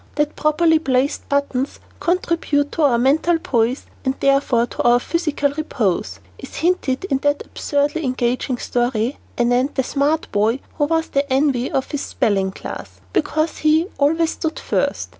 That properly placed buttons contribute to our mental poise and therefore to our physical repose, is hinted in that absurdly engaging story, anent the smart boy who was the envy of his spelling class, because he always stood first.